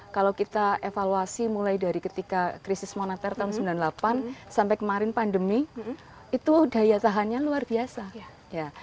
kalau kita evaluasi mulai dari ketika krisis moneter tahun sembilan puluh delapan sampai kemarin pandemi itu daya tahannya luar biasa ya